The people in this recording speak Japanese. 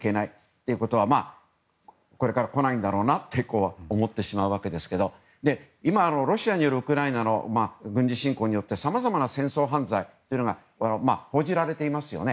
ということはこれから来ないんだろうなと思ってしまうんですが今、ロシアによるウクライナの軍事侵攻によってさまざまな戦争犯罪が報じられていますよね。